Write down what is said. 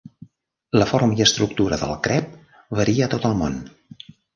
La forma i estructura del crep varia a tot el món.